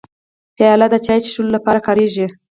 پیاله د چای څښلو لپاره کارېږي.